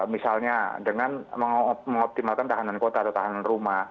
misalnya dengan mengoptimalkan tahanan kota atau tahanan rumah